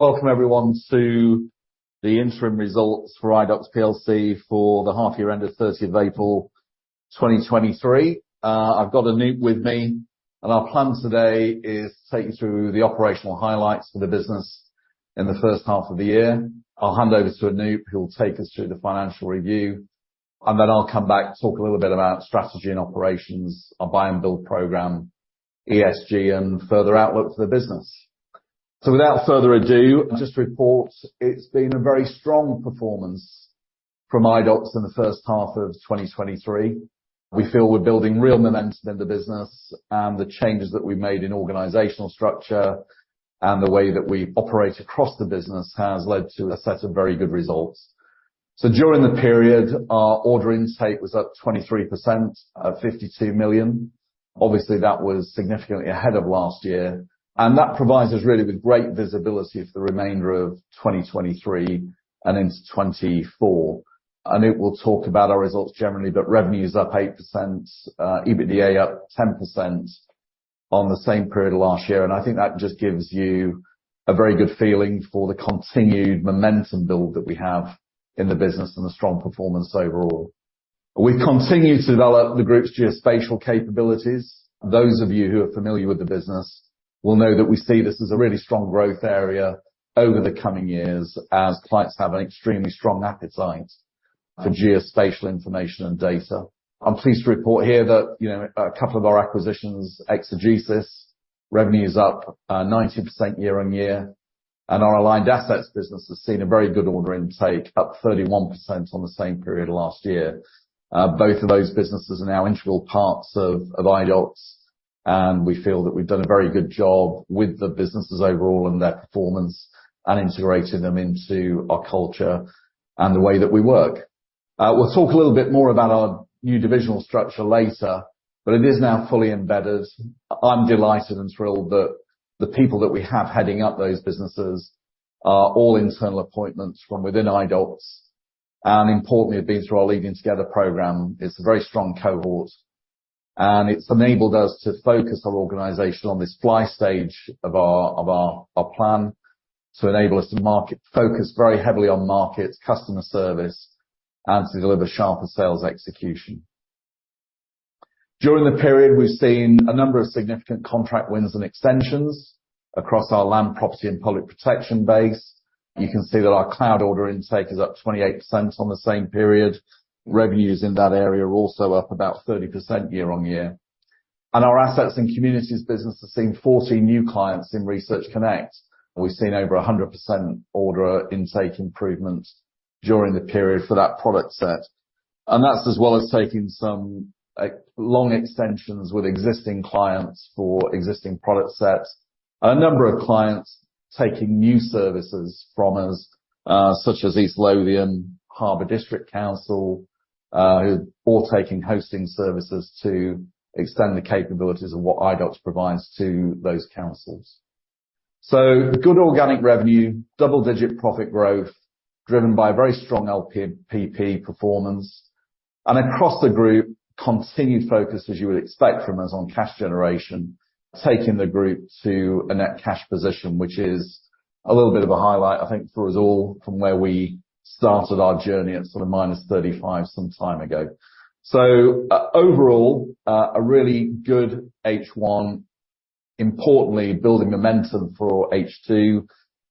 Welcome everyone to the interim results for Idox PLC for the half year end of 30 of April, 2023. I've got Anoop with me, and our plan today is to take you through the operational highlights for the business in the first half of the year. I'll hand over to Anoop, who will take us through the financial review, and then I'll come back, talk a little bit about strategy and operations, our buy and build program, ESG, and further outlook for the business. Without further ado, just report it's been a very strong performance from Idox in the first half of 2023. We feel we're building real momentum in the business, and the changes that we've made in organizational structure, and the way that we operate across the business, has led to a set of very good results. During the period, our order intake was up 23%, 52 million. Obviously, that was significantly ahead of last year, and that provides us really with great visibility for the remainder of 2023 and into 2024. Anoop will talk about our results generally, but revenue is up 8%, EBITDA up 10% on the same period last year, and I think that just gives you a very good feeling for the continued momentum build that we have in the business and the strong performance overall. We've continued to develop the group's geospatial capabilities. Those of you who are familiar with the business will know that we see this as a really strong growth area over the coming years, as clients have an extremely strong appetite for geospatial information and data. I'm pleased to report here that, you know, a couple of our acquisitions, exeGesIS, revenue is up 90% year-over-year, and our Aligned Assets business has seen a very good order intake, up 31% on the same period last year. Both of those businesses are now integral parts of Idox, and we feel that we've done a very good job with the businesses overall and their performance, and integrating them into our culture and the way that we work. We'll talk a little bit more about our new divisional structure later, but it is now fully embedded. I'm delighted and thrilled that the people that we have heading up those businesses are all internal appointments from within Idox, and importantly, have been through our Leading Together program. It's a very strong cohort, and it's enabled us to focus our organization on this Fly stage of our, of our plan to enable us to focus very heavily on markets, customer service, and to deliver sharper sales execution. During the period, we've seen a number of significant contract wins and extensions across our Land, Property & Public Protection base. You can see that our cloud order intake is up 28% on the same period. Revenues in that area are also up about 30% year-on-year, and our assets and communities business has seen 14 new clients in Research Connect, and we've seen over 100% order intake improvements during the period for that product set, and that's as well as taking some long extensions with existing clients for existing product sets. A number of clients taking new services from us, such as East Lothian, Harborough District Council, who are all taking hosting services to extend the capabilities of what Idox provides to those councils. The good organic revenue, double-digit profit growth driven by very strong LPPP performance, and across the group, continued focus, as you would expect from us, on cash generation, taking the group to a net cash position, which is a little bit of a highlight, I think, for us all, from where we started our journey at sort of minus 35 some time ago. Overall, a really good H1, importantly, building momentum for H2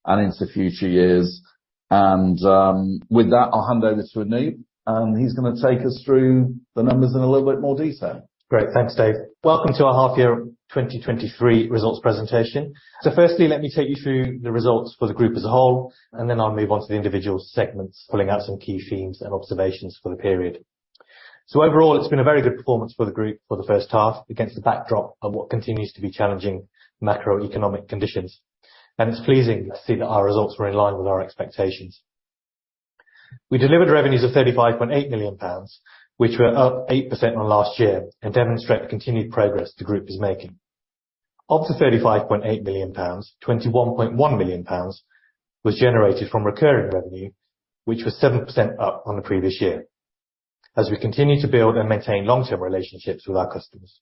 and into future years. With that, I'll hand over to Anoop, and he's gonna take us through the numbers in a little bit more detail. Great. Thanks, Dave. Welcome to our half year 2023 results presentation. Firstly, let me take you through the results for the group as a whole, and then I'll move on to the individual segments, pulling out some key themes and observations for the period. Overall, it's been a very good performance for the group for the first half, against the backdrop of what continues to be challenging macroeconomic conditions. It's pleasing to see that our results were in line with our expectations. We delivered revenues of 35.8 million pounds, which were up 8% on last year, and demonstrate the continued progress the group is making. Of the 35.8 million pounds, 21.1 million pounds was generated from recurring revenue, which was 7% up on the previous year. As we continue to build and maintain long-term relationships with our customers.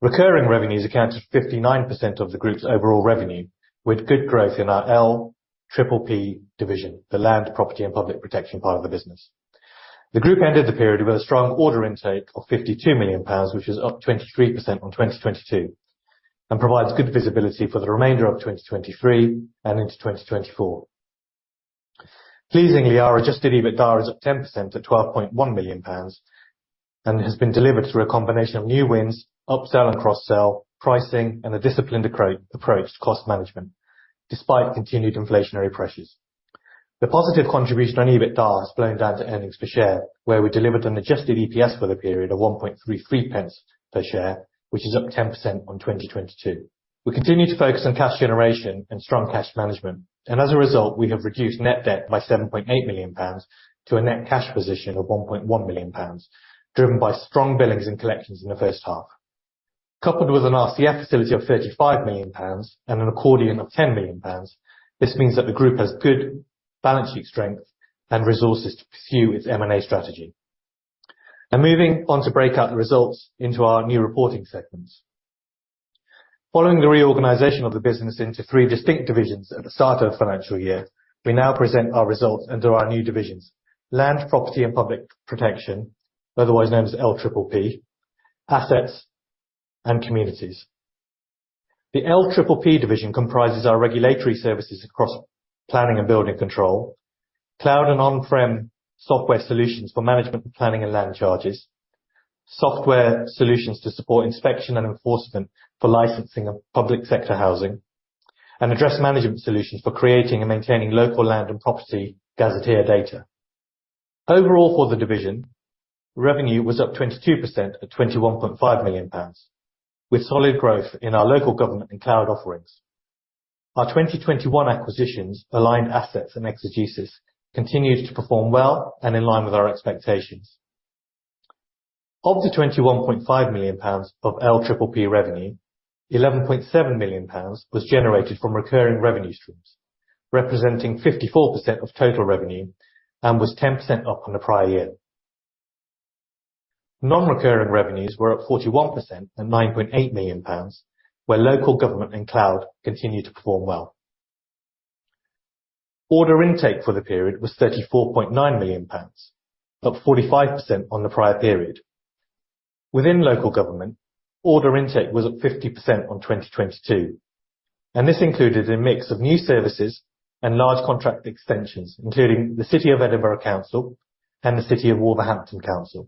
Recurring revenues accounted for 59% of the group's overall revenue, with good growth in our LPPP division, the Land, Property & Public Protection part of the business. The group ended the period with a strong order intake of 52 million pounds, which is up 23% on 2022, and provides good visibility for the remainder of 2023 and into 2024. Pleasingly, our adjusted EBITDA is up 10% to 12.1 million pounds, and has been delivered through a combination of new wins, upsell and cross-sell, pricing, and a disciplined approach to cost management, despite continued inflationary pressures. The positive contribution on EBITDA has blown down to earnings per share, where we delivered an adjusted EPS for the period of 1.33 pence per share, which is up 10% on 2022. We continue to focus on cash generation and strong cash management. As a result, we have reduced net debt by 7.8 million pounds to a net cash position of 1.1 million pounds, driven by strong billings and collections in the first half. Coupled with an RCF facility of 35 million pounds and an accordion of 10 million pounds, this means that the group has good balance sheet strength and resources to pursue its M&A strategy. Moving on to break out the results into our new reporting segments. Following the reorganization of the business into three distinct divisions at the start of the financial year, we now present our results under our new divisions: Land, Property, and Public Protection, otherwise known as LPPP, Assets, and Communities. The LPPP division comprises our regulatory services across planning and building control, cloud and on-prem software solutions for management of planning and land charges, software solutions to support inspection and enforcement for licensing of public sector housing, and address management solutions for creating and maintaining local land and property gazetteer data. Overall, for the division, revenue was up 22% at 21.5 million pounds, with solid growth in our local government and cloud offerings. Our 2021 acquisitions, Aligned Assets and exeGesIS, continued to perform well and in line with our expectations. Of the 21.5 million pounds of LPPP revenue, 11.7 million pounds was generated from recurring revenue streams, representing 54% of total revenue, and was 10% up on the prior year. Non-recurring revenues were up 41% at 9.8 million pounds, where local government and cloud continued to perform well. Order intake for the period was 34.9 million pounds, up 45% on the prior period. Within local government, order intake was up 50% on 2022. This included a mix of new services and large contract extensions, including the City of Edinburgh Council and the City of Wolverhampton Council.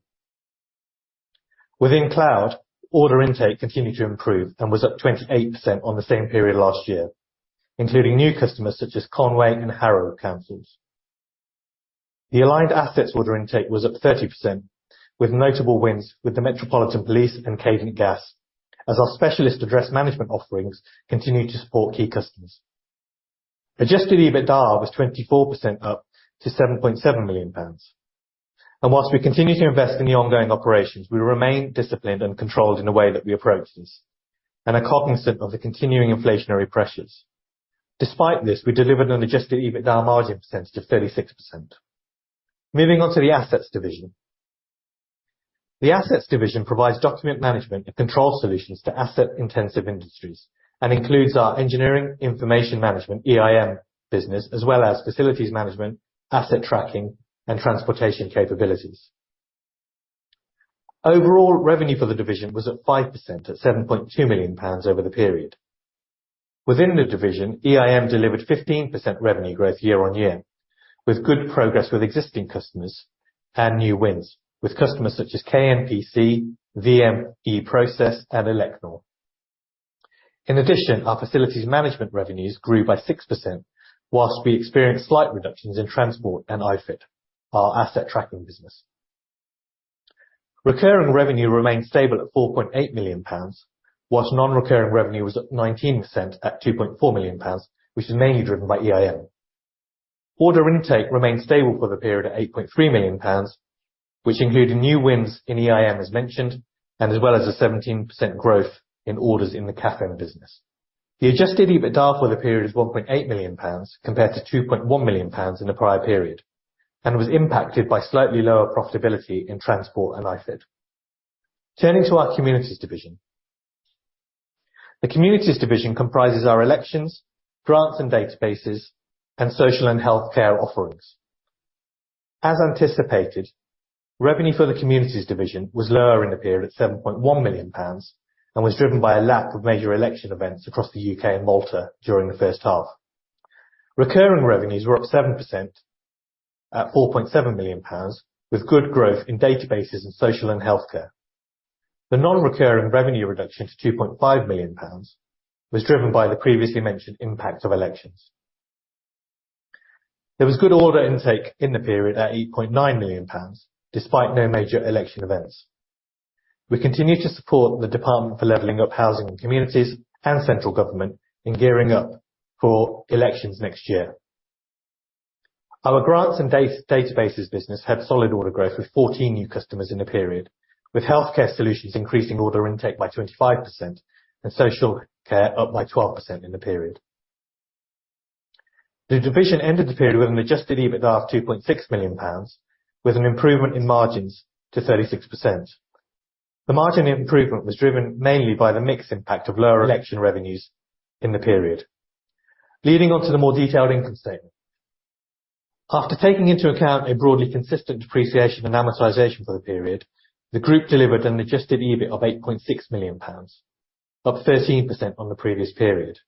Within cloud, order intake continued to improve and was up 28% on the same period last year, including new customers such as Conwy and Harrow Council. The Aligned Assets order intake was up 30%, with notable wins with the Metropolitan Police and Cadent Gas, as our specialist address management offerings continued to support key customers. Adjusted EBITDA was 24% up to 7.7 million pounds. While we continue to invest in the ongoing operations, we remain disciplined and controlled in the way that we approach this, and are cognizant of the continuing inflationary pressures. Despite this, we delivered an adjusted EBITDA margin percentage of 36%. Moving on to the Assets division. The Assets division provides document management and control solutions to asset-intensive industries, and includes our engineering information management, EIM, business, as well as facilities management, asset tracking, and transportation capabilities. Overall, revenue for the division was up 5% at 7.2 million pounds over the period. Within the division, EIM delivered 15% revenue growth year-on-year, with good progress with existing customers and new wins, with customers such as KNPC, VME Process, and Elecnor. Our facilities management revenues grew by 6%, while we experienced slight reductions in transport and iFIT, our asset tracking business. Recurring revenue remained stable at 4.8 million pounds, whilst non-recurring revenue was up 19% at 2.4 million pounds, which is mainly driven by EIM. Order intake remained stable for the period at 8.3 million pounds, which included new wins in EIM, as mentioned, and as well as a 17% growth in orders in the CAFM business. The adjusted EBITDA for the period is 1.8 million pounds, compared to 2.1 million pounds in the prior period, and was impacted by slightly lower profitability in transport and iFIT. Turning to our Communities division. The Communities division comprises our elections, grants and databases, and social and healthcare offerings. As anticipated, revenue for the Communities division was lower in the period, at 7.1 million pounds, and was driven by a lack of major election events across the UK and Malta during the first half. Recurring revenues were up 7% at 4.7 million pounds, with good growth in databases and social and healthcare. The non-recurring revenue reduction to 2.5 million pounds was driven by the previously mentioned impact of elections. There was good order intake in the period, at 8.9 million pounds, despite no major election events. We continue to support the Department for Levelling Up, Housing and Communities and central government in gearing up for elections next year. Our grants and databases business had solid order growth, with 14 new customers in the period, with healthcare solutions increasing order intake by 25% and social care up by 12% in the period. The division ended the period with an adjusted EBITDA of 2.6 million pounds, with an improvement in margins to 36%. The margin improvement was driven mainly by the mixed impact of lower election revenues in the period. Leading on to the more detailed income statement. After taking into account a broadly consistent depreciation and amortization for the period, the group delivered an adjusted EBIT of 8.6 million pounds, up 13% on the previous period.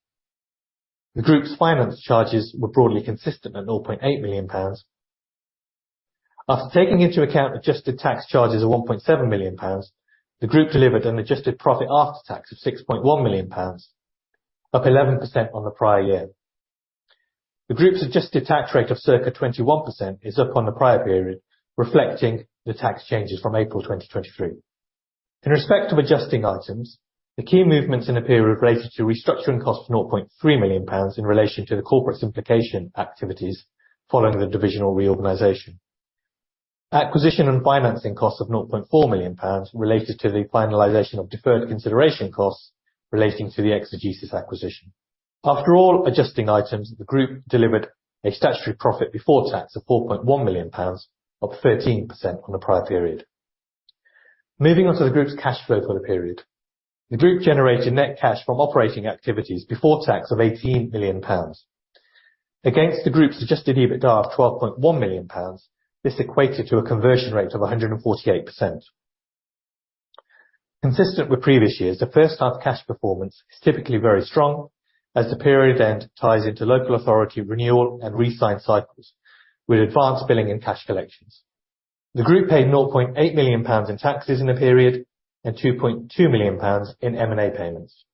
The group's finance charges were broadly consistent at 0.8 million pounds. After taking into account adjusted tax charges of 1.7 million pounds, the group delivered an adjusted profit after tax of 6.1 million pounds, up 11% on the prior year. The group's adjusted tax rate of circa 21% is up on the prior period, reflecting the tax changes from April 2023. In respect of adjusting items, the key movements in the period related to restructuring costs of 0.3 million pounds in relation to the corporate simplification activities following the divisional reorganization. Acquisition and financing costs of 0.4 million pounds, related to the finalization of deferred consideration costs relating to the exeGesIS acquisition. After all adjusting items, the group delivered a statutory profit before tax of 4.1 million pounds, up 13% on the prior period. Moving on to the group's cash flow for the period. The group generated net cash from operating activities before tax of 18 million pounds. Against the group's adjusted EBITDA of 12.1 million pounds, this equated to a conversion rate of 148%. Consistent with previous years, the first half cash performance is typically very strong, as the period end ties into local authority renewal and re-sign cycles, with advanced billing and cash collections. The group paid 0.8 million pounds in taxes in the period, and 2.2 million pounds in M&A payments.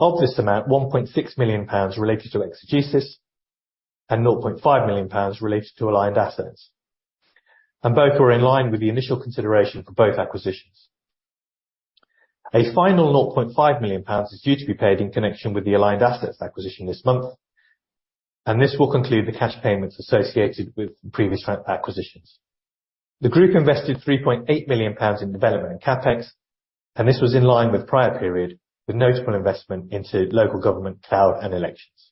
Of this amount, 1.6 million pounds related to exeGesIS, and 0.5 million pounds related to Aligned Assets, and both were in line with the initial consideration for both acquisitions. A final 0.5 million pounds is due to be paid in connection with the Aligned Assets acquisition this month. This will conclude the cash payments associated with previous acquisitions. The group invested 3.8 million pounds in development and CapEx. This was in line with prior period, with notable investment into local government, cloud and elections.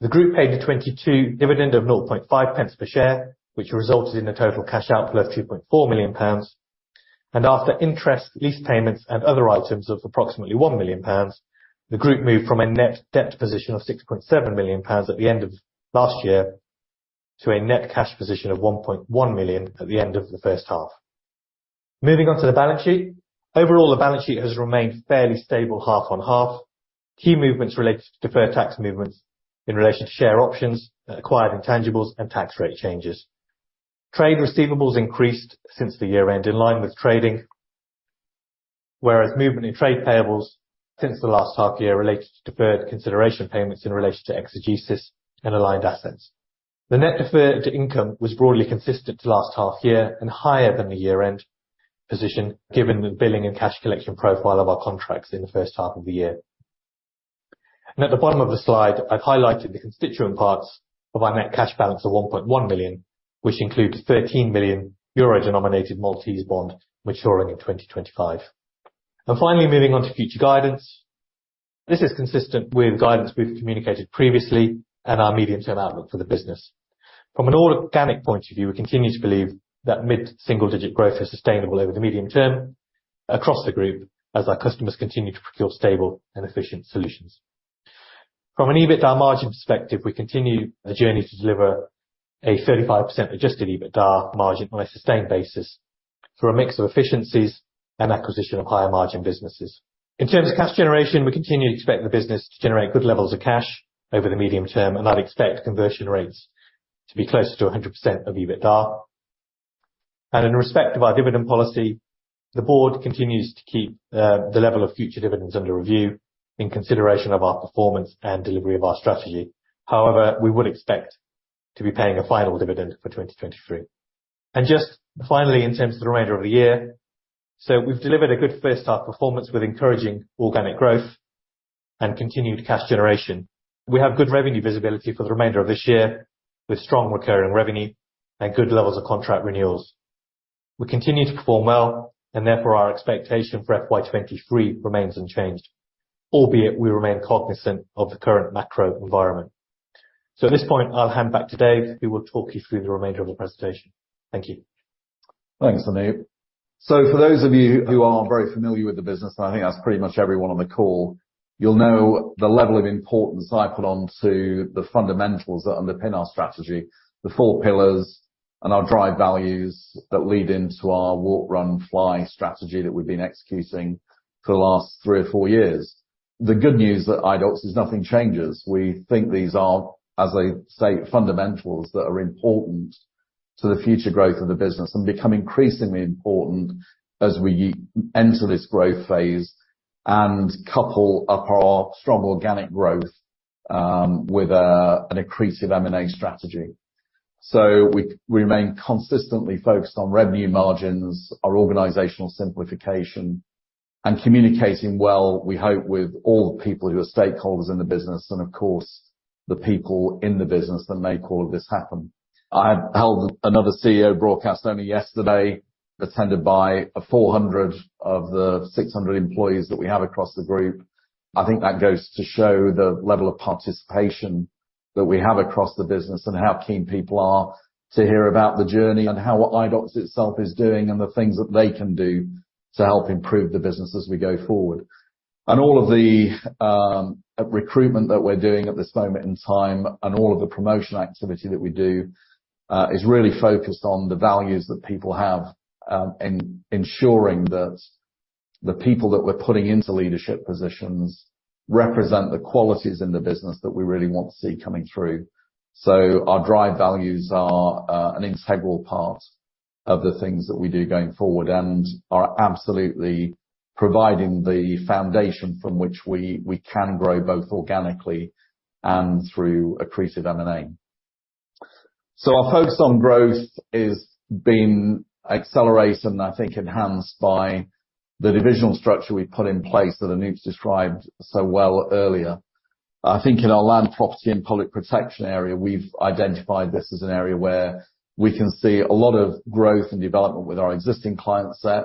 The group paid a 2022 dividend of 0.005 per share, which resulted in a total cash outflow of 2.4 million pounds. After interest, lease payments, and other items of approximately 1 million pounds, the group moved from a net debt position of 6.7 million pounds at the end of last year, to a net cash position of 1.1 million at the end of the first half. Moving on to the balance sheet. Overall, the balance sheet has remained fairly stable, half on half. Key movements related to deferred tax movements in relation to share options, acquired intangibles, and tax rate changes. Trade receivables increased since the year end, in line with trading, whereas movement in trade payables since the last half year related to deferred consideration payments in relation to exeGesIS and Aligned Assets. The net deferred income was broadly consistent to last half year, and higher than the year-end position, given the billing and cash collection profile of our contracts in the first half of the year. At the bottom of the slide, I've highlighted the constituent parts of our net cash balance of 1.1 million, which includes 13 million euro-denominated Maltese bond, maturing in 2025. Finally, moving on to future guidance. This is consistent with guidance we've communicated previously and our medium-term outlook for the business. From an all organic point of view, we continue to believe that mid-single-digit growth is sustainable over the medium-term across the group, as our customers continue to procure stable and efficient solutions. From an EBITDA margin perspective, we continue a journey to deliver a 35% adjusted EBITDA margin on a sustained basis, through a mix of efficiencies and acquisition of higher margin businesses. In terms of cash generation, we continue to expect the business to generate good levels of cash over the medium-term, and I'd expect conversion rates to be closer to 100% of EBITDA. In respect of our dividend policy, the board continues to keep the level of future dividends under review in consideration of our performance and delivery of our strategy. However, we would expect to be paying a final dividend for 2023. Just finally, in terms of the remainder of the year, we've delivered a good first half performance with encouraging organic growth and continued cash generation. We have good revenue visibility for the remainder of this year, with strong recurring revenue and good levels of contract renewals. We continue to perform well, and therefore, our expectation for FY 23 remains unchanged, albeit we remain cognizant of the current macro environment. At this point, I'll hand back to Dave, who will talk you through the remainder of the presentation. Thank you. Thanks, Anoop. For those of you who are very familiar with the business, and I think that's pretty much everyone on the call, you'll know the level of importance I put onto the fundamentals that underpin our strategy, the 4 pillars, and our DRIVE values that lead into our Walk, Run, Fly strategy that we've been executing for the last 3 or 4 years. The good news at Idox is nothing changes. We think these are, as I say, fundamentals that are important to the future growth of the business, and become increasingly important as we enter this growth phase, and couple up our strong organic growth with an accretive M&A strategy. We remain consistently focused on revenue margins, our organizational simplification, and communicating well, we hope, with all the people who are stakeholders in the business and, of course, the people in the business that make all of this happen. I held another CEO broadcast only yesterday, attended by 400 of the 600 employees that we have across the group. I think that goes to show the level of participation that we have across the business, and how keen people are to hear about the journey and how Idox itself is doing, and the things that they can do to help improve the business as we go forward. All of the recruitment that we're doing at this moment in time, and all of the promotion activity that we do, is really focused on the values that people have, in ensuring that the people that we're putting into leadership positions represent the qualities in the business that we really want to see coming through. Our DRIVE values are an integral part of the things that we do going forward, and are absolutely providing the foundation from which we can grow, both organically and through accretive M&A. Our focus on growth is being accelerated, and I think enhanced by the divisional structure we've put in place that Anoop's described so well earlier. I think in our Land, Property & Public Protection area, we've identified this as an area where we can see a lot of growth and development with our existing client set.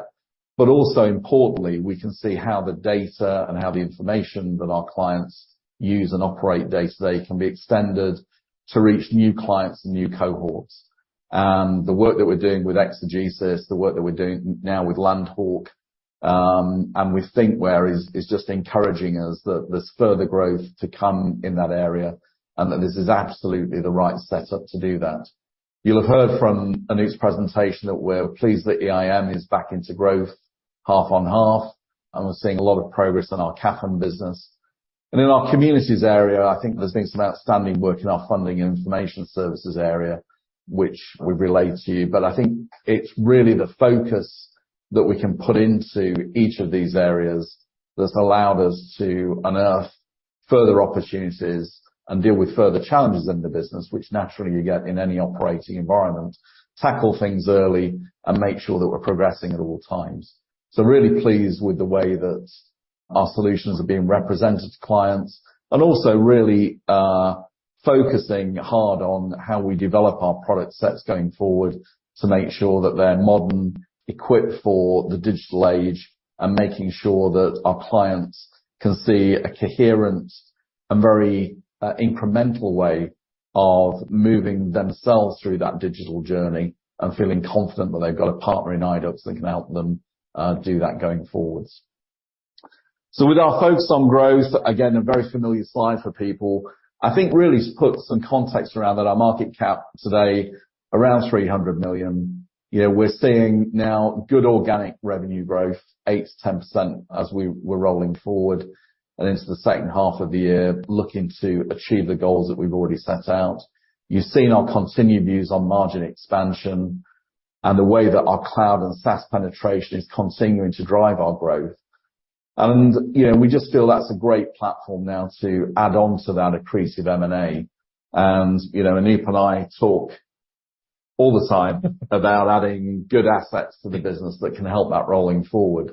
Also importantly, we can see how the data and how the information that our clients use and operate day-to-day can be extended to reach new clients and new cohorts. The work that we're doing with exeGesIS, the work that we're doing now with LandHawk, and thinkWhere is just encouraging us that there's further growth to come in that area, and that this is absolutely the right setup to do that. You'll have heard from Anoop's presentation that we're pleased that EIM is back into growth, half on half, and we're seeing a lot of progress in our CAFM business. In our communities area, I think there's been some outstanding work in our funding information services area, which we've relayed to you. I think it's really the focus that we can put into each of these areas that's allowed us to unearth further opportunities and deal with further challenges in the business, which naturally you get in any operating environment, tackle things early, and make sure that we're progressing at all times. Really pleased with the way that our solutions are being represented to clients, and also really, focusing hard on how we develop our product sets going forward to make sure that they're modern, equipped for the digital age, and making sure that our clients can see a coherent and very, incremental way of moving themselves through that digital journey and feeling confident that they've got a partner in Idox that can help them, do that going forwards. With our focus on growth, again, a very familiar slide for people. I think really put some context around that our market cap today, around 300 million. You know, we're seeing now good organic revenue growth, 8%-10%, as we're rolling forward and into the second half of the year, looking to achieve the goals that we've already set out. You've seen our continued views on margin expansion and the way that our cloud and SaaS penetration is continuing to drive our growth. You know, we just feel that's a great platform now to add on to that accretive M&A. You know, Anoop and I talk all the time about adding good assets to the business that can help that rolling forward.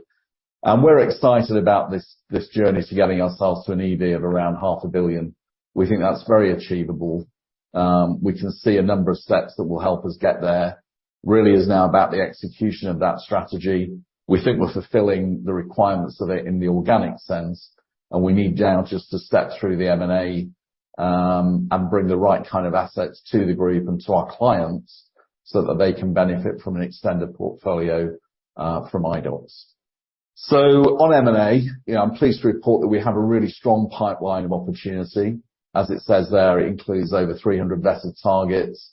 We're excited about this journey to getting ourselves to an EV of around GBP half a billion. We think that's very achievable. We can see a number of steps that will help us get there, really is now about the execution of that strategy. We think we're fulfilling the requirements of it in the organic sense, and we need now just to step through the M&A, and bring the right kind of assets to the group and to our clients so that they can benefit from an extended portfolio from Idox. On M&A, you know, I'm pleased to report that we have a really strong pipeline of opportunity. As it says there, it includes over 300 vetted targets,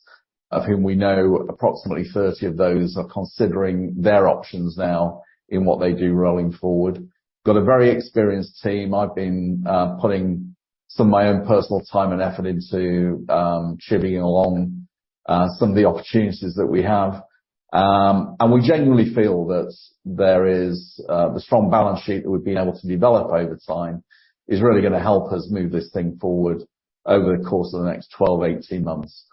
of whom we know approximately 30 of those are considering their options now in what they do rolling forward. Got a very experienced team. I've been putting some of my own personal time and effort into chivvying along some of the opportunities that we have. We genuinely feel that there is the strong balance sheet that we've been able to develop over time, is really gonna help us move this thing forward over the course of the next 12, 18 months.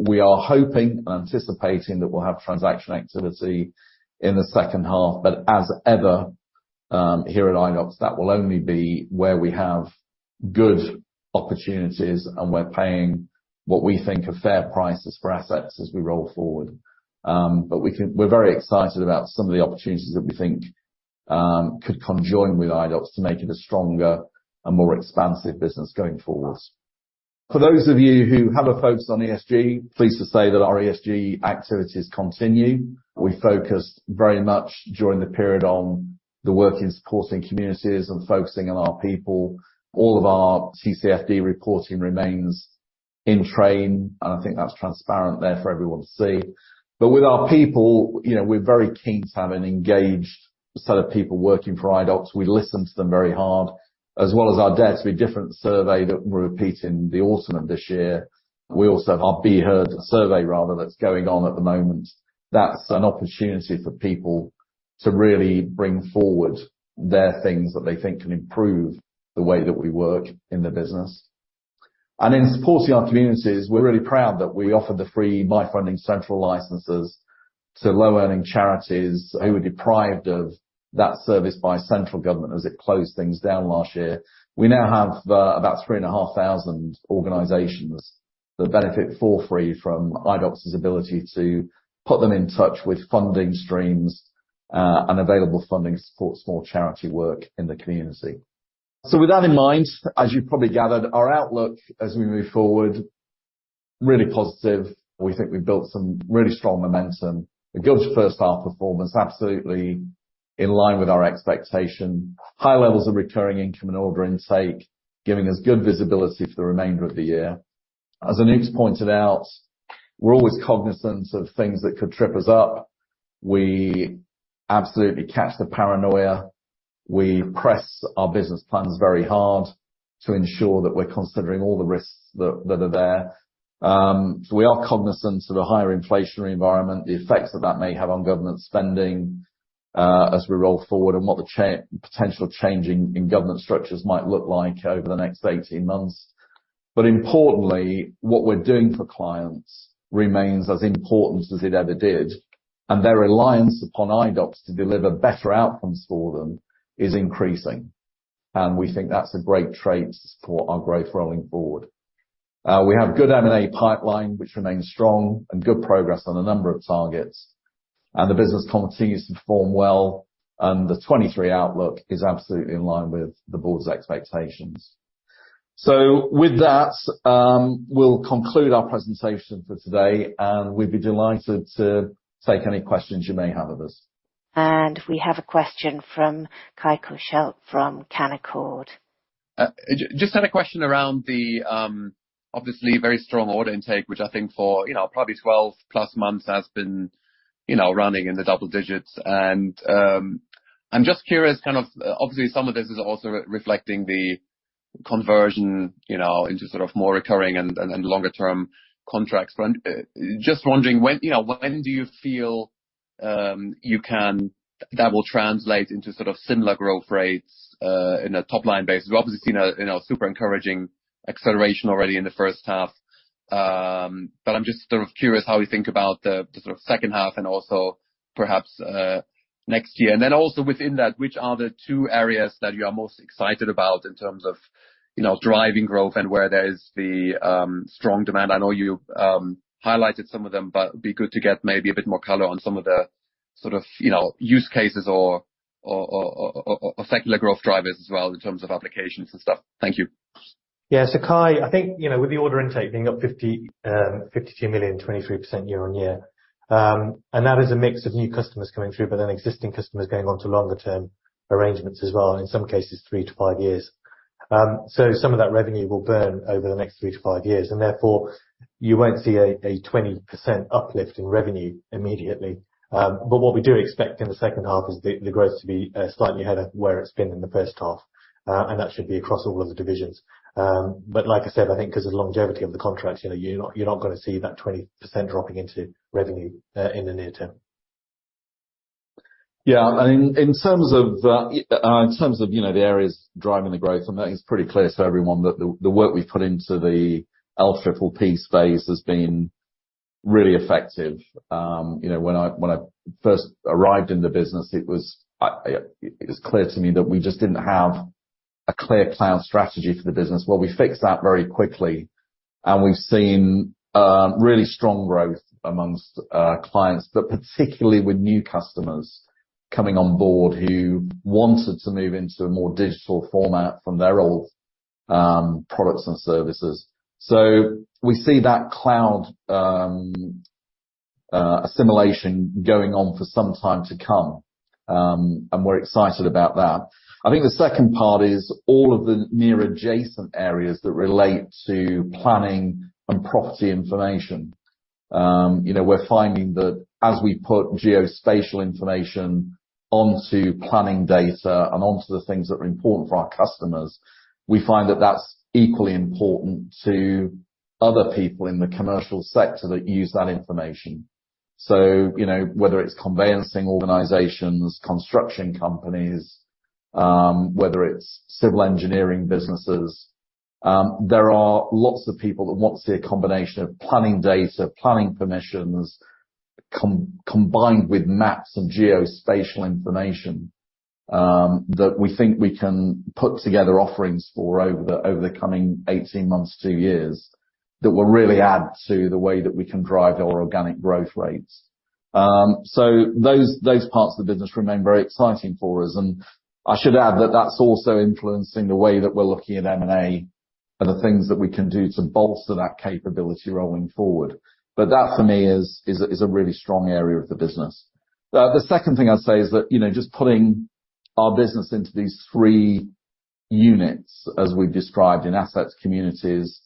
We are hoping and anticipating that we'll have transaction activity in the second half, but as ever, here at Idox, that will only be where we have good opportunities, and we're paying what we think are fair prices for assets as we roll forward. We think we're very excited about some of the opportunities that we think could conjoin with Idox to make it a stronger and more expansive business going forwards. For those of you who have a focus on ESG, pleased to say that our ESG activities continue. We focused very much during the period on the work in supporting communities and focusing on our people. All of our TCFD reporting remains in train, and I think that's transparent there for everyone to see. With our people, you know, we're very keen to have an engaged set of people working for Idox. We listen to them very hard, as well as our Dare to Be Different survey that we're repeating the autumn of this year. We also have our Be Heard survey, rather, that's going on at the moment. That's an opportunity for people to really bring forward their things that they think can improve the way that we work in the business. In supporting our communities, we're really proud that we offer the free My Funding Central licenses to low-earning charities who were deprived of that service by central government as it closed things down last year. We now have about 3,500 organizations that benefit for free from Idox's ability to put them in touch with funding streams and available funding to support small charity work in the community. With that in mind, as you probably gathered, our outlook as we move forward, really positive. We think we've built some really strong momentum, a good first half performance, absolutely in line with our expectation. High levels of recurring income and order intake, giving us good visibility for the remainder of the year. As Anoop pointed out, we're always cognizant of things that could trip us up. We absolutely catch the paranoia. We press our business plans very hard to ensure that we're considering all the risks that are there. We are cognizant of the higher inflationary environment, the effects that that may have on government spending, as we roll forward, and what the potential changing in government structures might look like over the next 18 months. Importantly, what we're doing for clients remains as important as it ever did, and their reliance upon Idox to deliver better outcomes for them is increasing. We think that's a great trait to support our growth rolling forward. We have good M&A pipeline, which remains strong, and good progress on a number of targets, and the business continues to perform well, and the 2023 outlook is absolutely in line with the board's expectations. With that, we'll conclude our presentation for today, and we'd be delighted to take any questions you may have of us. We have a question from Kai Korschelt from Canaccord. Just had a question around the obviously, very strong order intake, which I think for, you know, probably 12+ months has been, you know, running in the double digits. I'm just curious, kind of, obviously, some of this is also reflecting the conversion, you know, into sort of more recurring and longer term contracts. Just wondering, when, you know, when do you feel that will translate into sort of similar growth rates in a top-line basis? We've obviously seen a, you know, super encouraging acceleration already in the first half. I'm just sort of curious how you think about the sort of second half and also perhaps next year. Also within that, which are the two areas that you are most excited about in terms of, you know, driving growth and where there is the strong demand? I know you highlighted some of them, but it'd be good to get maybe a bit more color on some of the, sort of, you know, use cases or secular growth drivers as well in terms of applications and stuff. Thank you. Yeah. Kai, I think, you know, with the order intake being up 52 million, 23% year-over-year, and that is a mix of new customers coming through, but then existing customers going on to longer term arrangements as well, in some cases, 3-5 years. Some of that revenue will burn over the next 3-5 years, and therefore you won't see a 20% uplift in revenue immediately. What we do expect in the second half is the growth to be slightly ahead of where it's been in the first half. That should be across all of the divisions. Like I said, I think because of the longevity of the contracts, you know, you're not, you're not gonna see that 20% dropping into revenue in the near term. In terms of, in terms of, you know, the areas driving the growth, I think it's pretty clear to everyone that the work we've put into the LPPP phase has been really effective. You know, when I, when I first arrived in the business, it was clear to me that we just didn't have a clear cloud strategy for the business. We fixed that very quickly, and we've seen really strong growth amongst clients, but particularly with new customers coming on board who wanted to move into a more digital format from their old products and services. We see that cloud assimilation going on for some time to come, and we're excited about that. I think the second part is all of the near adjacent areas that relate to planning and property information. You know, we're finding that as we put geospatial information onto planning data and onto the things that are important for our customers, we find that that's equally important to other people in the commercial sector that use that information. You know, whether it's conveyancing organizations, construction companies, whether it's civil engineering businesses, there are lots of people that want to see a combination of planning data, planning permissions, combined with maps and geospatial information, that we think we can put together offerings for over the, over the coming 18 months to 2 years, that will really add to the way that we can drive our organic growth rates. Those parts of the business remain very exciting for us, and I should add that that's also influencing the way that we're looking at M&A and the things that we can do to bolster that capability rolling forward. That, for me, is a really strong area of the business. The second thing I'd say is that, you know, just putting our business into these three units, as we've described in assets, communities,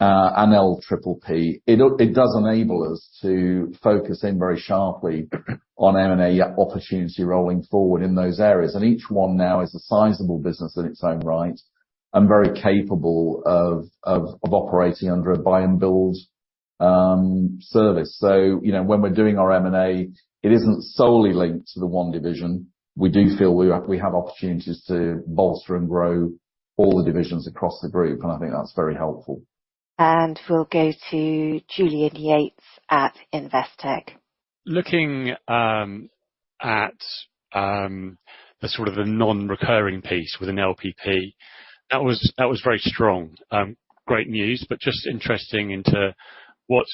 and LPPP, it does enable us to focus in very sharply on M&A opportunity rolling forward in those areas. Each one now is a sizable business in its own right and very capable of operating under a buy and build service. You know, when we're doing our M&A, it isn't solely linked to the one division. We do feel we have opportunities to bolster and grow all the divisions across the group. I think that's very helpful. We'll go to Julian Yates at Investec. Looking at the sort of the non-recurring piece with an LPPP, that was very strong. Great news, just interesting into what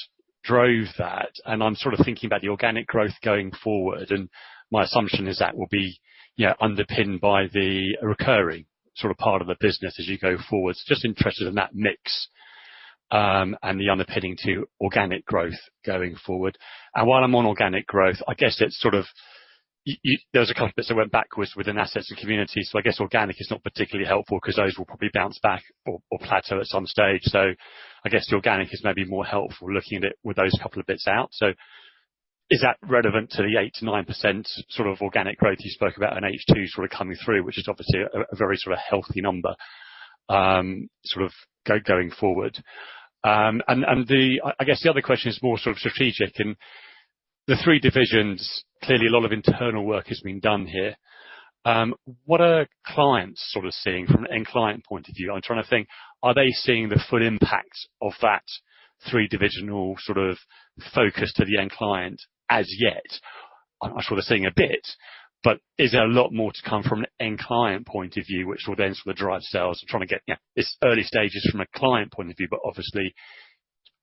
drove that, and I'm sort of thinking about the organic growth going forward, and my assumption is that will be underpinned by the recurring sort of part of the business as you go forward. Just interested in that mix and the underpinning to organic growth going forward. While I'm on organic growth, I guess it's sort of there was a couple bits that went backwards within assets and communities, so I guess organic is not particularly helpful because those will probably bounce back or plateau at some stage. I guess the organic is maybe more helpful looking at it with those couple of bits out. Is that relevant to the 8-9%, sort of, organic growth you spoke about in H2 sort of coming through, which is obviously a very sort of healthy number, sort of going forward? I guess the other question is more sort of strategic. In the three divisions, clearly a lot of internal work has been done here. What are clients sort of seeing from an end client point of view? I'm trying to think, are they seeing the full impact of that three divisional sort of focus to the end client as yet. I'm sort of seeing a bit, but is there a lot more to come from an end client point of view, which will then sort of drive sales and trying to get, you know, it's early stages from a client point of view, but obviously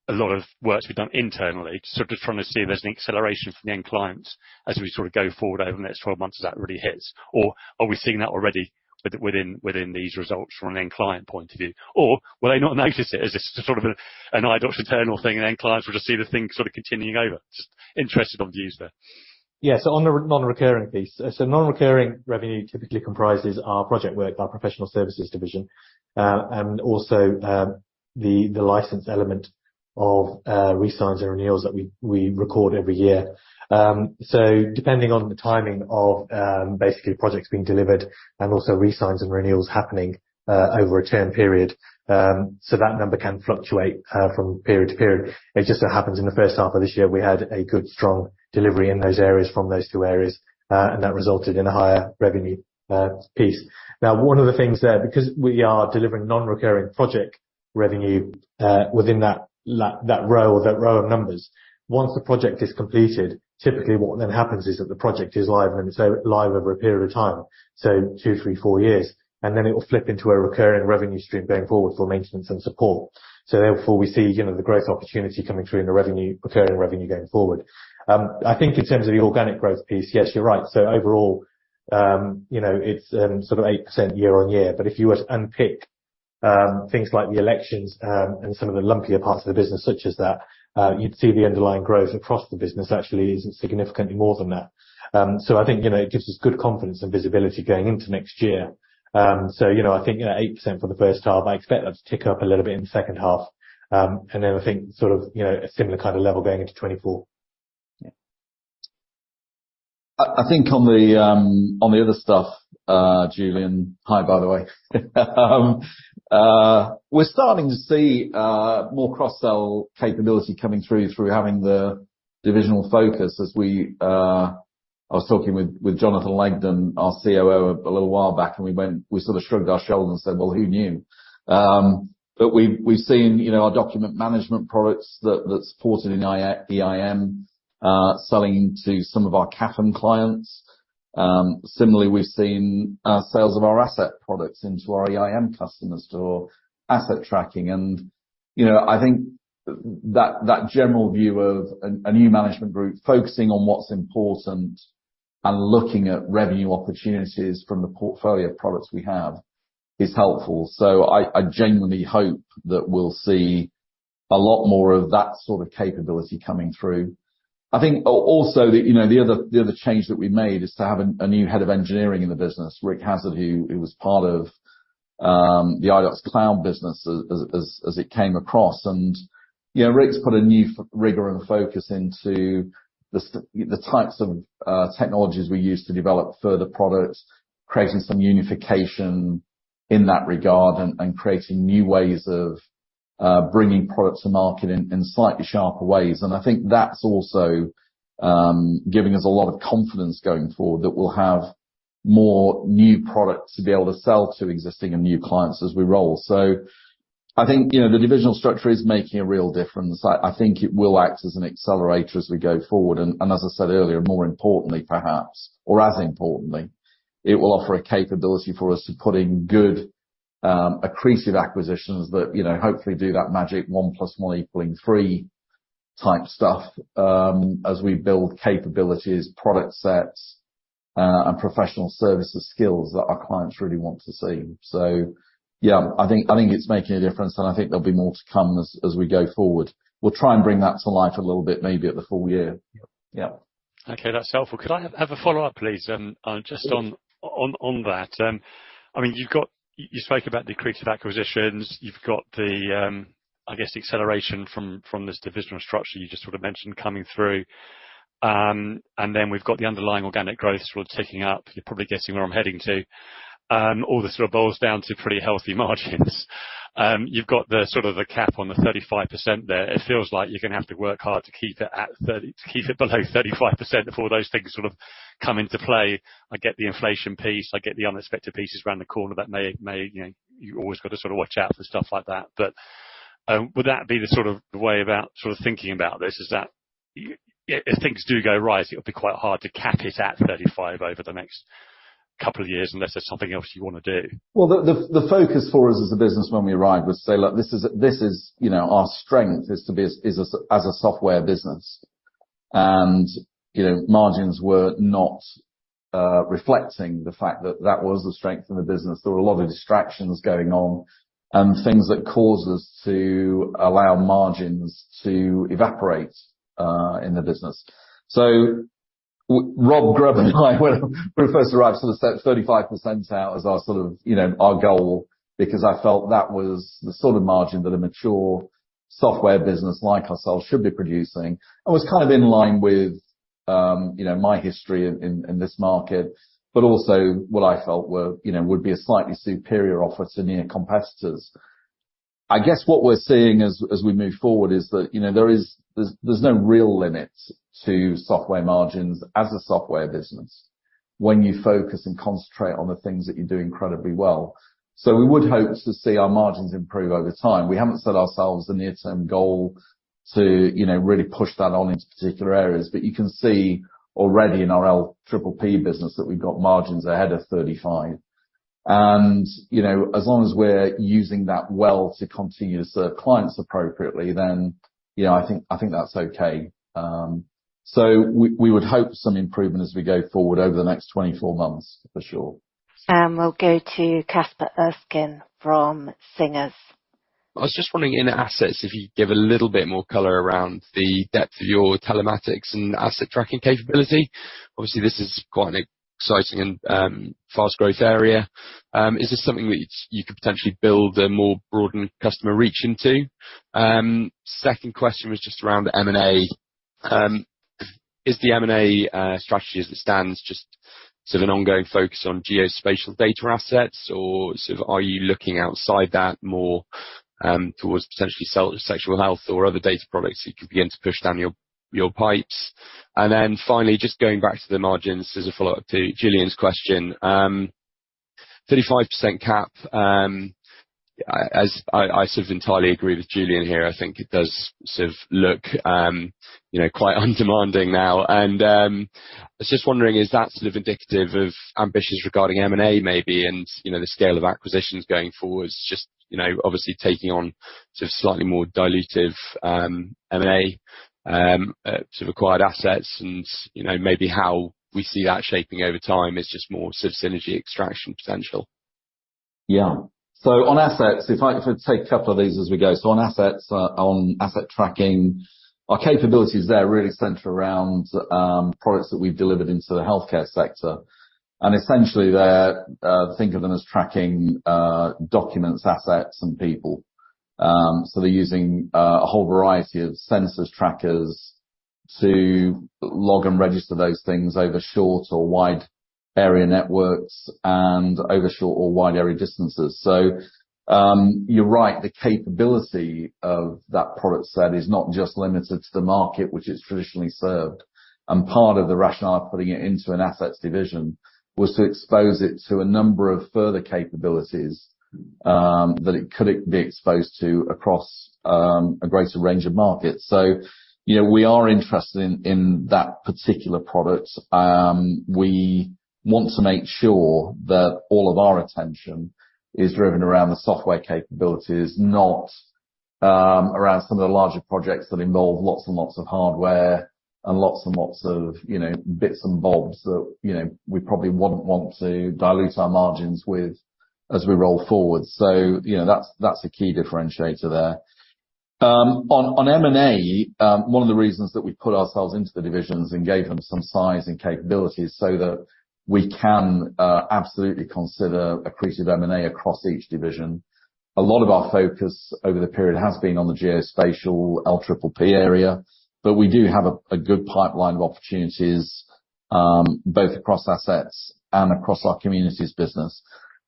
a lot of work to be done internally? Just trying to see if there's an acceleration from the end clients as we sort of go forward over the next 12 months as that really hits? Are we seeing that already within these results from an end client point of view? Will they not notice it as just sort of an Idox internal thing, and then clients will just see the thing sort of continuing over? Just interested on views there. rring piece, non-recurring revenue typically comprises our project work, our professional services division, and also the license element of resigns and renewals that we record every year. Depending on the timing of basically projects being delivered and also resigns and renewals happening over a 10-period, that number can fluctuate from period to period. It just so happens in the first half of this year, we had a good, strong delivery in those areas from those 2 areas, and that resulted in a higher revenue piece. One of the things there, because we are delivering non-recurring project revenue, within that row or that row of numbers, once the project is completed, typically what then happens is that the project is live, and so live over a period of time, so 2, 3, 4 years, and then it will flip into a recurring revenue stream going forward for maintenance and support. Therefore, we see, you know, the growth opportunity coming through in the revenue recurring revenue going forward. I think in terms of the organic growth piece, yes, you're right. Overall, you know, it's sort of 8% year-on-year, if you were to unpick things like the elections, and some of the lumpier parts of the business, such as that, you'd see the underlying growth across the business actually is significantly more than that. You know, it gives us good confidence and visibility going into next year. You know, 8% for the first half, I expect that to tick up a little bit in the second half. Sort of, you know, a similar kind of level going into 2024. Yeah. I think on the other stuff, Julian, hi, by the way. We're starting to see more cross-sell capability coming through having the divisional focus. I was talking with Jonathan Legdon, our COO, a little while back, and we sort of shrugged our shoulders and said: "Well, who knew?" But we've seen, you know, our document management products that supported in EIM, selling to some of our CAFM clients. Similarly, we've seen sales of our asset products into our EIM customers or asset tracking. You know, I think that general view of a new management group focusing on what's important and looking at revenue opportunities from the portfolio of products we have is helpful. I genuinely hope that we'll see a lot more of that sort of capability coming through. I think also, you know, the other change that we made is to have a new head of engineering in the business, Rick Hazzard, who was part of the Idox Cloud business as it came across. You know, Rick's put a new rigor and focus into the types of technologies we use to develop further products, creating some unification in that regard, creating new ways of bringing products to market in slightly sharper ways. I think that's also giving us a lot of confidence going forward that we'll have more new products to be able to sell to existing and new clients as we roll. I think, you know, the divisional structure is making a real difference. I think it will act as an accelerator as we go forward, and as I said earlier, more importantly, perhaps, or as importantly, it will offer a capability for us to put in good, accretive acquisitions that, you know, hopefully do that magic 1 plus 1 equaling 3 type stuff, as we build capabilities, product sets, and professional services skills that our clients really want to see. Yeah, I think it's making a difference, and I think there'll be more to come as we go forward. We'll try and bring that to life a little bit, maybe at the full year. Yep. Yep. Okay, that's helpful. Could I have a follow-up, please? Just on that, I mean, you spoke about the accretive acquisitions. You've got the, I guess, the acceleration from this divisional structure you just sort of mentioned coming through. We've got the underlying organic growth sort of ticking up. You're probably guessing where I'm heading to. All this sort of boils down to pretty healthy margins. You've got the sort of the cap on the 35% there. It feels like you're gonna have to work hard to keep it below 35% before those things sort of come into play. I get the inflation piece, I get the unexpected pieces around the corner that may. You know, you always got to sort of watch out for stuff like that. Would that be the sort of way about, sort of thinking about this, is that if things do go right, it'll be quite hard to cap it at 35 over the next couple of years, unless there's something else you wanna do? Well, the focus for us as a business when we arrived was to say, "Look, this is, you know, our strength is to be as a software business." You know, margins were not reflecting the fact that that was the strength of the business. There were a lot of distractions going on and things that caused us to allow margins to evaporate in the business. Rob Grubb and I, when we first arrived, sort of set 35% out as our sort of, you know, our goal, because I felt that was the sort of margin that a mature software business like ourselves should be producing, and was kind of in line with, you know, my history in, in this market, but also what I felt were, you know, would be a slightly superior offer to near competitors. I guess what we're seeing as we move forward is that, you know, there's no real limit to software margins as a software business when you focus and concentrate on the things that you do incredibly well. We would hope to see our margins improve over time. We haven't set ourselves a near-term goal to, you know, really push that on into particular areas, but you can see already in our LPPP business that we've got margins ahead of 35%. You know, as long as we're using that well to continue to serve clients appropriately, then, you know, I think that's okay. We would hope some improvement as we go forward over the next 24 months for sure. We'll go to Caspar Erskine from Singer Capital Markets. I was just wondering, in assets, if you could give a little bit more color around the depth of your telematics and asset tracking capability. Obviously, this is quite an exciting and fast growth area. Is this something which you could potentially build a more broadened customer reach into? Second question was just around the M&A. Is the M&A strategy as it stands, just sort of an ongoing focus on geospatial data assets, or sort of are you looking outside that more towards potentially sexual health or other data products you could begin to push down your pipes? Finally, just going back to the margins, as a follow-up to Julian's question, 35% cap, as I sort of entirely agree with Julian here, I think it does sort of look, you know, quite undemanding now. I was just wondering, is that sort of indicative of ambitions regarding M&A, maybe, and, you know, the scale of acquisitions going forward? Just, you know, obviously taking on sort of slightly more dilutive M&A to acquired assets, and, you know, maybe how we see that shaping over time is just more sort of synergy extraction potential. Yeah. On assets, if I could take a couple of these as we go. On assets, on asset tracking, our capabilities there really center around products that we've delivered into the healthcare sector. Essentially they're, think of them as tracking documents, assets, and people. They're using a whole variety of sensors, trackers to log and register those things over short or wide area networks and over short or wide area distances. You're right, the capability of that product set is not just limited to the market which it's traditionally served, and part of the rationale of putting it into an assets division was to expose it to a number of further capabilities that it could be exposed to across a greater range of markets. You know, we are interested in that particular product. We want to make sure that all of our attention is driven around the software capabilities, not around some of the larger projects that involve lots and lots of hardware and lots and lots of, you know, bits and bobs that, you know, we probably wouldn't want to dilute our margins with as we roll forward. You know, that's a key differentiator there. On, on M&A, one of the reasons that we put ourselves into the divisions and gave them some size and capabilities so that we can absolutely consider accretive M&A across each division. A lot of our focus over the period has been on the geospatial LPPP area, but we do have a good pipeline of opportunities, both across assets and across our communities business.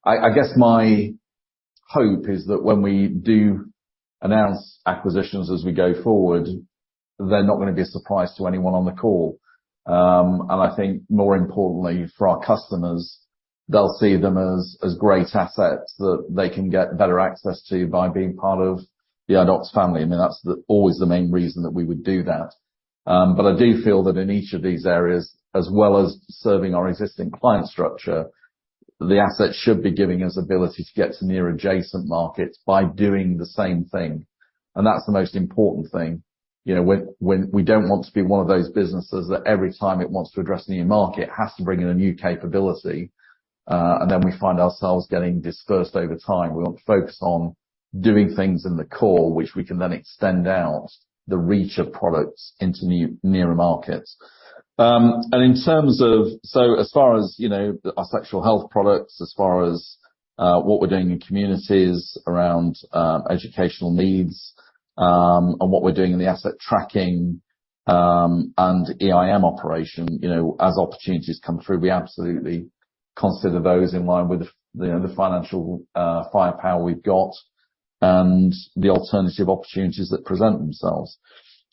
I guess my hope is that when we do announce acquisitions as we go forward, they're not gonna be a surprise to anyone on the call. I think more importantly for our customers, they'll see them as great assets that they can get better access to by being part of the Idox family. I mean, that's always the main reason that we would do that. I do feel that in each of these areas, as well as serving our existing client structure, the assets should be giving us ability to get to nearer adjacent markets by doing the same thing, and that's the most important thing. You know, we don't want to be one of those businesses that every time it wants to address a new market, it has to bring in a new capability, and then we find ourselves getting dispersed over time. We want to focus on doing things in the core, which we can then extend out the reach of products into new, nearer markets. In terms of... As far as, you know, our sexual health products, as far as, what we're doing in communities around, educational needs, and what we're doing in the asset tracking, and EIM operation, you know, as opportunities come through, we absolutely consider those in line with the, you know, the financial, firepower we've got and the alternative opportunities that present themselves.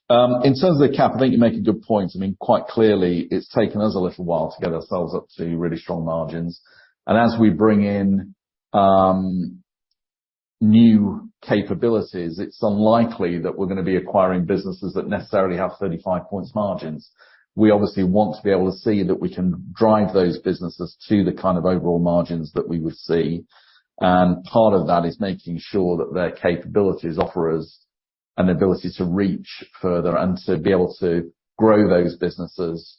In terms of the cap, I think you make a good point. I mean, quite clearly, it's taken us a little while to get ourselves up to really strong margins, and as we bring in new capabilities, it's unlikely that we're gonna be acquiring businesses that necessarily have 35 points margins. We obviously want to be able to see that we can drive those businesses to the kind of overall margins that we would see, and part of that is making sure that their capabilities offer us an ability to reach further and to be able to grow those businesses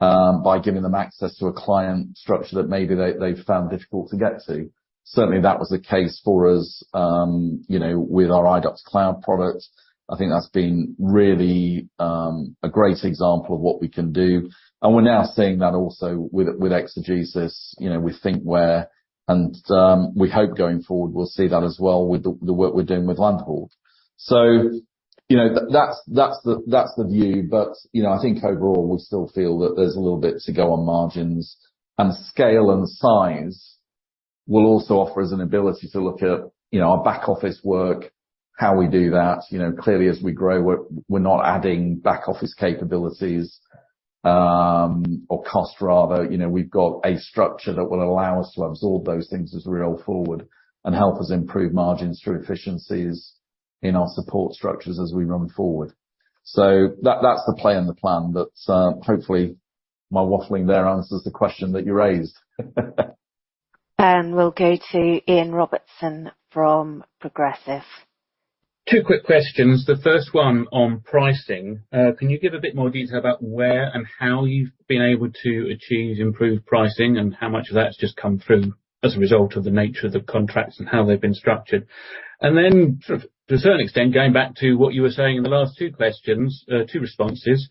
by giving them access to a client structure that maybe they've found difficult to get to. Certainly, that was the case for us, you know, with our Idox Cloud product. I think that's been really, a great example of what we can do, and we're now seeing that also with exeGesIS, you know, with thinkWhere, and, we hope going forward, we'll see that as well with the work we're doing with LandHawk. You know, that's the view. You know, I think overall, we still feel that there's a little bit to go on margins, and scale and size will also offer us an ability to look at, you know, our back office work, how we do that. You know, clearly, as we grow, we're not adding back office capabilities, or cost, rather. You know, we've got a structure that will allow us to absorb those things as we roll forward and help us improve margins through efficiencies in our support structures as we run forward. That's the play and the plan that, hopefully, my waffling there answers the question that you raised. We'll go to Ian Robertson from Progressive. Two quick questions. The first one on pricing. Can you give a bit more detail about where and how you've been able to achieve improved pricing, and how much of that has just come through as a result of the nature of the contracts and how they've been structured? Then, sort of, to a certain extent, going back to what you were saying in the last two questions, two responses,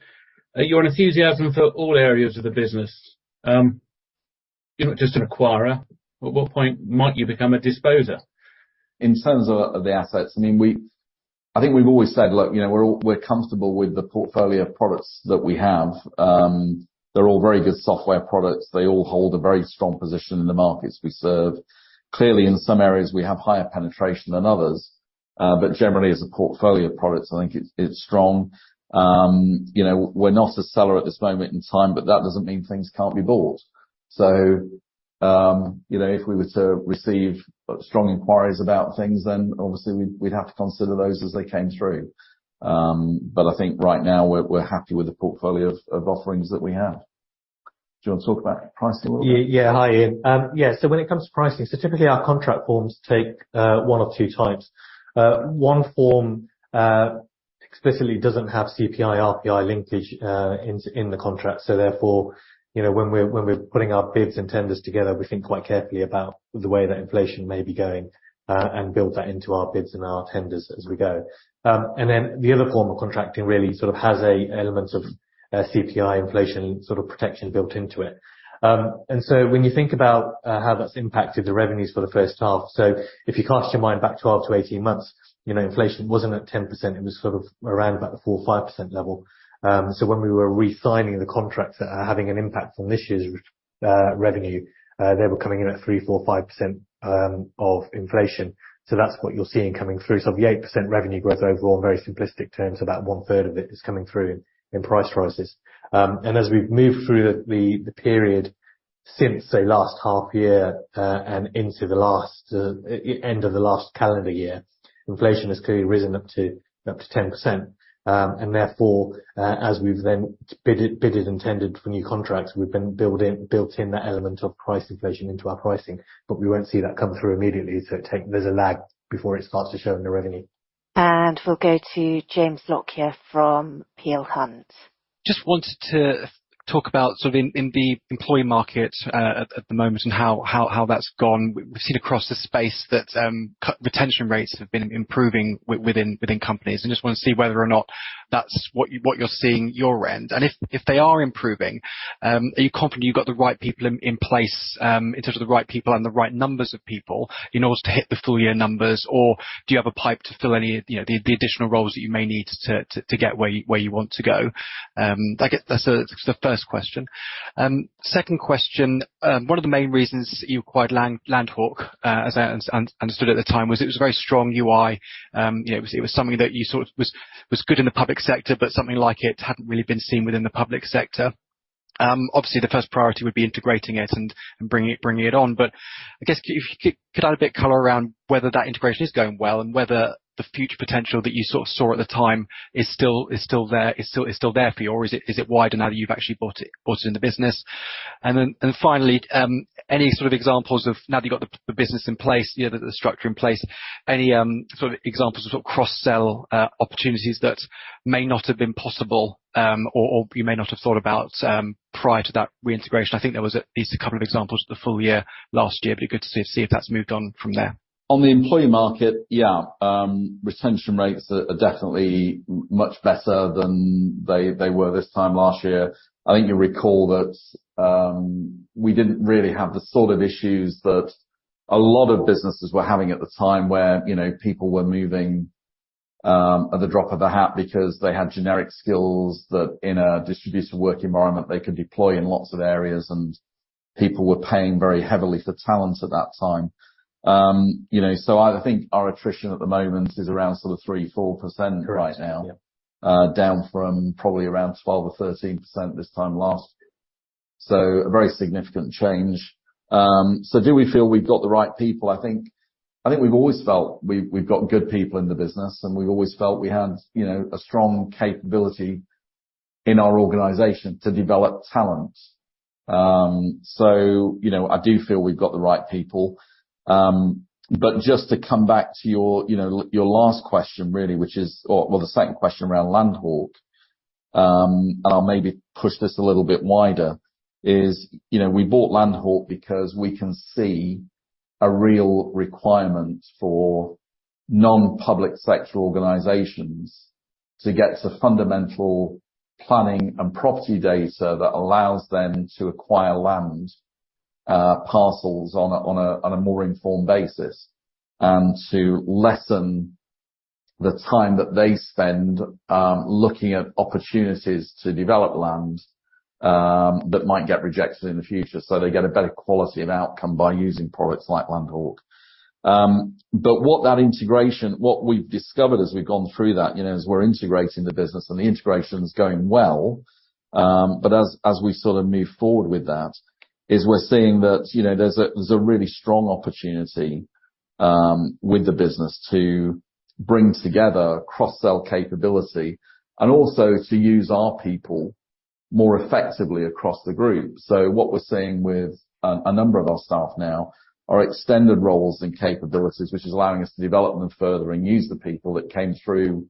your enthusiasm for all areas of the business, you're not just an acquirer, but what point might you become a disposer? In terms of the assets, I mean, I think we've always said, look, you know, we're comfortable with the portfolio of products that we have. They're all very good software products. They all hold a very strong position in the markets we serve. Clearly, in some areas, we have higher penetration than others, but generally, as a portfolio of products, I think it's strong. You know, we're not a seller at this moment in time, but that doesn't mean things can't be bought. You know, if we were to receive strong inquiries about things, then, obviously, we'd have to consider those as they came through. I think right now, we're happy with the portfolio of offerings that we have. Do you want to talk about pricing a little bit? Yeah, so when it comes to pricing, so typically our contract forms take 1 of 2 types. 1 form explicitly doesn't have CPI, RPI linkage in the contract, so therefore, you know, when we're putting our bids and tenders together, we think quite carefully about the way that inflation may be going, and build that into our bids and our tenders as we go. The other form of contracting really sort of has a element of CPI inflation, sort of, protection built into it. When you think about how that's impacted the revenues for the first half... So if you cast your mind back 12-18 months, you know, inflation wasn't at 10%, it was sort of around about the 4% or 5% level. When we were re-signing the contracts that are having an impact on this year's revenue, they were coming in at 3%, 4%, 5% of inflation. That's what you're seeing coming through. Of the 8% revenue growth overall, in very simplistic terms, about 1/3 of it is coming through in price rises. As we've moved through the period since, say, last half year, and into the last end of the last calendar year, inflation has clearly risen up to 10%. Therefore, as we've then bidded and tendered for new contracts, we've been built in that element of price inflation into our pricing, but we won't see that come through immediately, so there's a lag before it starts to show in the revenue. We'll go to James Lockyer from Peel Hunt. Just wanted to talk about sort of in the employee market, at the moment, and how that's gone. We've seen across the space that retention rates have been improving within companies, and just want to see whether or not that's what you're seeing your end. If they are improving, are you confident you've got the right people in place, in terms of the right people and the right numbers of people, in order to hit the full year numbers, or do you have a pipe to fill any, you know, the additional roles that you may need to get where you want to go? I guess that's the first question. Second question: one of the main reasons you acquired LandHawk, as I understood at the time, was it was a very strong UI. You know, it was something that you sort of was good in the public sector, but something like it hadn't really been seen within the public sector. Obviously, the first priority would be integrating it and bringing it on. I guess, if you could add a bit color around whether that integration is going well, and whether the future potential that you sort of saw at the time is still there for you, or is it wider now that you've actually bought it in the business? Finally, any sort of examples of now that you've got the business in place, you know, the structure in place, any sort of examples of sort of cross-sell opportunities that may not have been possible, or you may not have thought about, prior to that reintegration? I think there was at least a couple of examples at the full year last year. Good to see if that's moved on from there. On the employee market, yeah, retention rates are definitely much better than they were this time last year. I think you'll recall that we didn't really have the sort of issues that a lot of businesses were having at the time, where, you know, people were moving at the drop of a hat because they had generic skills that in a distributed work environment, they could deploy in lots of areas, and people were paying very heavily for talent at that time. You know, I think our attrition at the moment is around sort of 3%-4% right now. Correct. Yeah. Down from probably around 12% or 13% this time last year. A very significant change. Do we feel we've got the right people? I think we've always felt we've got good people in the business, and we've always felt we had, you know, a strong capability in our organization to develop talent. You know, I do feel we've got the right people. Just to come back to your, you know, your last question, really, which is... Or, well, the second question around LandHawk, and I'll maybe push this a little bit wider, is, you know, we bought LandHawk because we can see a real requirement for non-public sector organizations to get to fundamental planning and property data that allows them to acquire land, parcels on a, on a, on a more informed basis, and to lessen. the time that they spend looking at opportunities to develop land that might get rejected in the future, so they get a better quality of outcome by using products like LandHawk. What we've discovered as we've gone through that, you know, as we're integrating the business, and the integration is going well, but as we sort of move forward with that, is we're seeing that, you know, there's a, there's a really strong opportunity with the business to bring together cross-sell capability and also to use our people more effectively across the group. What we're seeing with a number of our staff now are extended roles and capabilities, which is allowing us to develop them further and use the people that came through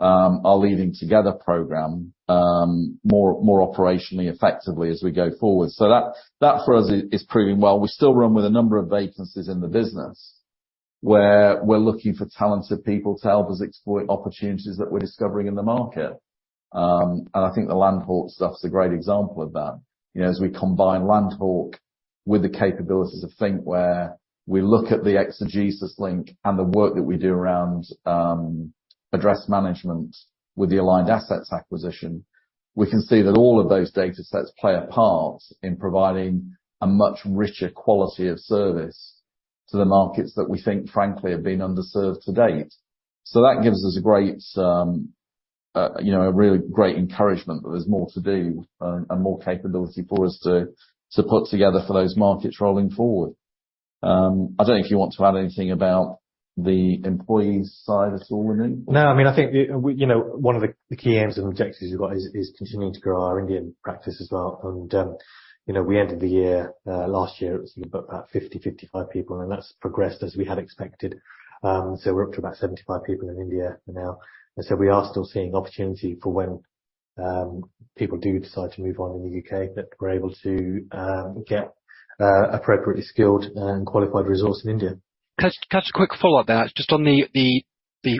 our Leading Together program more operationally, effectively as we go forward. That for us is proving well. We still run with a number of vacancies in the business, where we're looking for talented people to help us exploit opportunities that we're discovering in the market. I think the LandHawk stuff is a great example of that. You know, as we combine LandHawk with the capabilities of thinkWhere, we look at the exeGesIS link and the work that we do around address management with the Aligned Assets acquisition, we can see that all of those data sets play a part in providing a much richer quality of service to the markets that we think, frankly, have been underserved to date. That gives us a great, you know, a really great encouragement that there's more to do and more capability for us to put together for those markets rolling forward. I don't know if you want to add anything about the employees side of the story, Anoop? No, I mean, I think you know, one of the key aims and objectives we've got is continuing to grow our Indian practice as well. You know, we ended the year last year, it was about 50, 55 people, and that's progressed as we had expected. We're up to about 75 people in India now. We are still seeing opportunity for when people do decide to move on in the UK, that we're able to get appropriately skilled and qualified resource in India. Can I ask a quick follow-up there? Just on the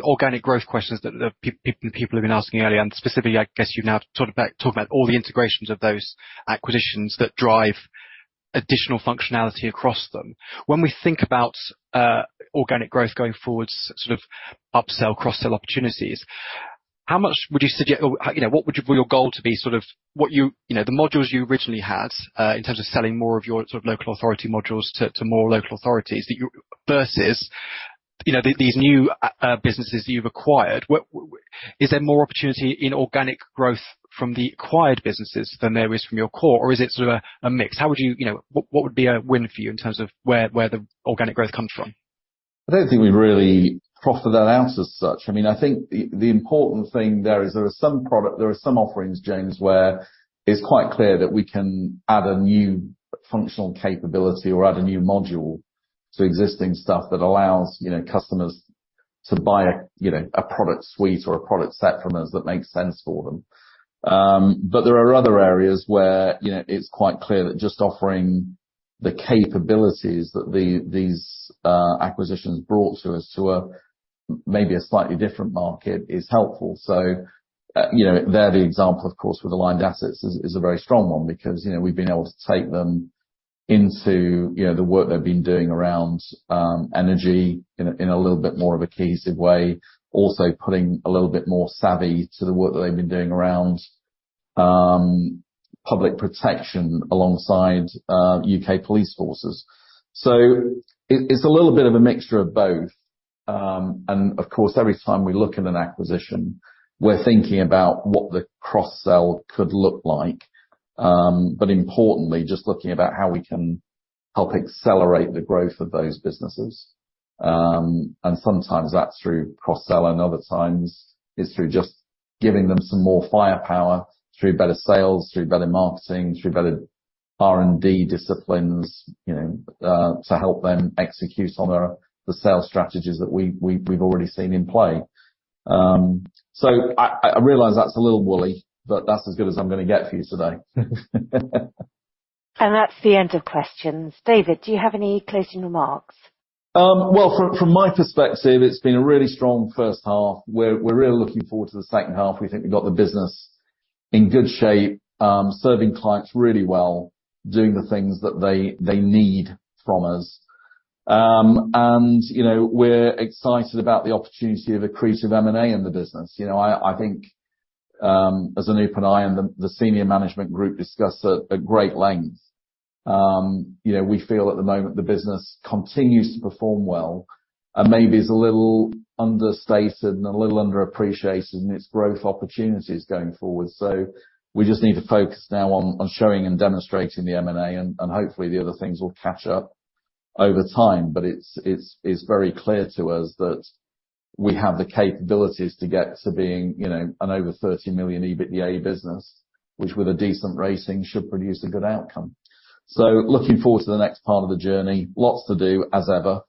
organic growth questions that people have been asking earlier, and specifically, I guess you've now talked about all the integrations of those acquisitions that drive additional functionality across them. When we think about organic growth going forward, sort of upsell, cross-sell opportunities, how much would you suggest, or, you know, what would you want your goal to be, sort of, what you... You know, the modules you originally had, in terms of selling more of your sort of local authority modules to more local authorities that you... versus, you know, these new businesses that you've acquired, what is there more opportunity in organic growth from the acquired businesses than there is from your core, or is it sort of a mix? How would you... You know, what would be a win for you in terms of where the organic growth comes from? I don't think we've really proffered that out as such. I mean, I think the important thing there is, there are some offerings, James, where it's quite clear that we can add a new functional capability or add a new module to existing stuff that allows, you know, customers to buy a, you know, a product suite or a product set from us that makes sense for them. There are other areas where, you know, it's quite clear that just offering the capabilities that these acquisitions brought to us, to a, maybe a slightly different market, is helpful. You know, there the example, of course, with Aligned Assets is a very strong one because, you know, we've been able to take them into, you know, the work they've been doing around energy in a little bit more of a cohesive way, also putting a little bit more savvy to the work that they've been doing around public protection alongside U.K. police forces. It's a little bit of a mixture of both. Of course, every time we look at an acquisition, we're thinking about what the cross-sell could look like, but importantly, just looking about how we can help accelerate the growth of those businesses. Sometimes that's through cross-sell, and other times it's through just giving them some more firepower through better sales, through better marketing, through better R&D disciplines, you know, to help them execute on the sales strategies that we've already seen in play. I realize that's a little wooly, but that's as good as I'm gonna get for you today. That's the end of questions. David, do you have any closing remarks? Well, from my perspective, it's been a really strong first half. We're, we're really looking forward to the second half. We think we've got the business in good shape, serving clients really well, doing the things that they need from us. You know, we're excited about the opportunity of accretive M&A in the business. You know, I think, as Anoop and I, and the senior management group discussed at great length, you know, we feel at the moment the business continues to perform well and maybe is a little understated and a little underappreciated in its growth opportunities going forward. We just need to focus now on showing and demonstrating the M&A, and hopefully the other things will catch up over time. It's very clear to us that we have the capabilities to get to being, you know, an over 30 million EBITDA business, which, with a decent rating, should produce a good outcome. Looking forward to the next part of the journey. Lots to do, as ever,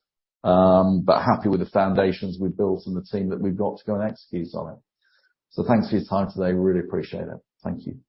but happy with the foundations we've built and the team that we've got to go and execute on it. Thanks for your time today. We really appreciate it. Thank you.